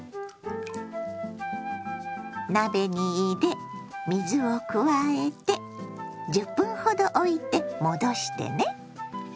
鍋に入れ水を加えて１０分ほどおいて戻してね。